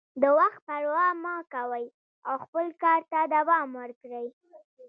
د وخت پروا مه کوئ او خپل کار ته دوام ورکړئ.